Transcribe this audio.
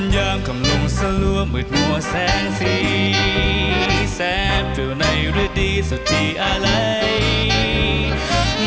ยามคำลงสลัวมืดหัวแสงสีแสบเฟลวในฤดีสุธีอาไหล